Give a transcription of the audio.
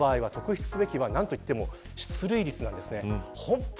ただ彼の場合は、特筆すべきはなんと言っても出塁率です。